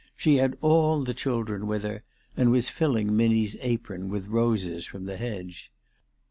She had all the children with her, and was filling Minnie's apron with roses from the hedge.